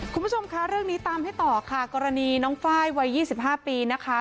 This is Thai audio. คุณผู้ชมคะเรื่องนี้ตามให้ต่อค่ะกรณีน้องไฟล์วัย๒๕ปีนะคะ